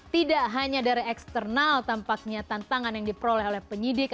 tidak hanya dari eksternal tanpa kenyataan tangan yang diperoleh oleh penyidik